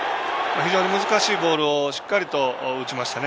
非常に難しいボールをしっかり打ちましたね。